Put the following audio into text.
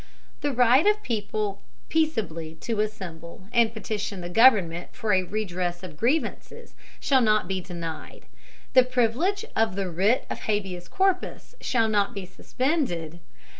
The right of the people peaceably to assemble and petition the government for a redress of grievances shall not be denied. The privilege of the writ of habeas corpus shall not be suspended.